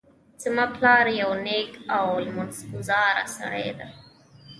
زما پلار یو نیک او لمونځ ګذاره سړی ده